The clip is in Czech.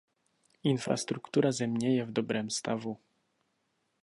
Infrastruktura země je v dobrém stavu.